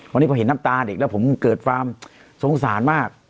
วันนี้พอเห็นน้ำตาเด็กแล้วผมเกิดความสงสารมาก